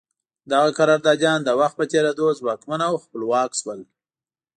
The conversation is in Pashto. دغه قراردادیان د وخت په تېرېدو ځواکمن او خپلواک شول.